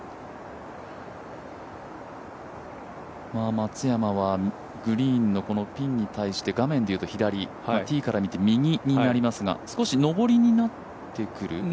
松山はグリーンのピンに対して、画面で言うと左、ティーから見て右になりますが、少し上りになってくる？